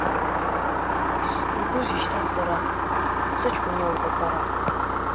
Исыбаргәузеи шьҭа сара, сыҷкәын иоуит аҵара.